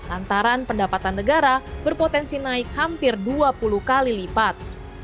antara pendapatan negara berpotensi naik hampir dua puluh kali lipat